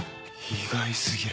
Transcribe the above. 意外過ぎる。